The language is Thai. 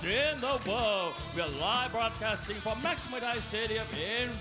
สวัสดีครับขอต้อนรับคุณผู้ชมนุกท่านนะครับเข้าสู่การรักษาสดีละครับ